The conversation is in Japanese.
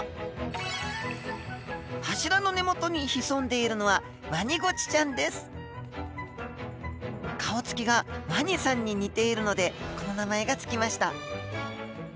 柱の根元に潜んでいるのは顔つきがワニさんに似ているのでこの名前が付きました。